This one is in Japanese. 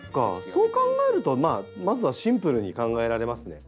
そう考えるとまずはシンプルに考えられますね。